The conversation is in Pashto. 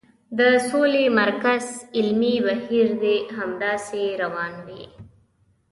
د سولې مرکز علمي بهیر دې همداسې روان وي.